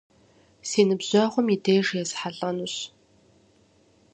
Си ныбжьэгъум и деж есхьэлӀэнущ.